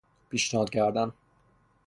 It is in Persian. پیشنهاد کردن